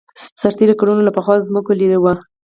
سرتېري کلونه له خپلو ځمکو لېرې وو